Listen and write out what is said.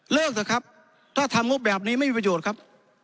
เถอะครับถ้าทำงบแบบนี้ไม่มีประโยชน์ครับ